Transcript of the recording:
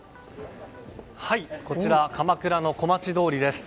こちら、鎌倉の小町通りです。